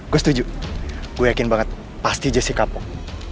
gue setuju gue yakin banget pasti jasnya kapok